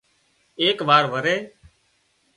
ايڪ وار وري